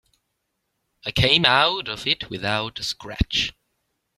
I came out of it without a scratch.